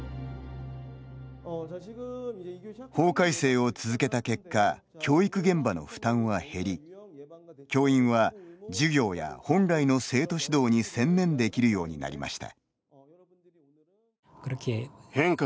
法改正を続けた結果教育現場の負担は減り教員は授業や本来の生徒指導に専念できるようになりました。